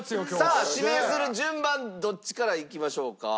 さあ指名する順番どっちからいきましょうか？